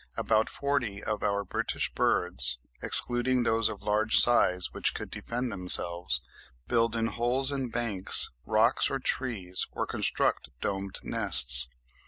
About forty of our British birds (excluding those of large size which could defend themselves) build in holes in banks, rocks, or trees, or construct domed nests.